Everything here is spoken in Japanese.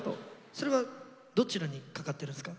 それはどちらにかかってるんですか？